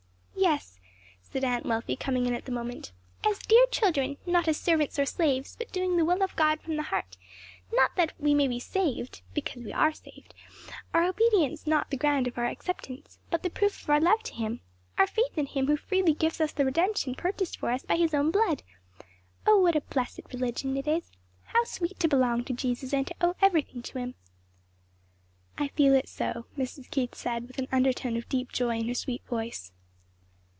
'" "Yes," said Aunt Wealthy, coming in at the moment; "'as dear children,' not as servants or slaves, but doing the will of God from the heart; not that we may be saved, but because we are saved; our obedience not the ground of our acceptance; but the proof of our love to Him, our faith in Him who freely gives us the redemption purchased for us by His own blood. Oh what a blessed religion it is! how sweet to belong to Jesus and to owe everything to him!" "I feel it so," Mrs. Keith said, with an undertone of deep joy in her sweet voice.